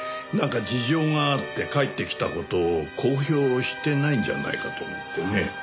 なんか事情があって帰ってきた事を公表してないんじゃないかと思ってね。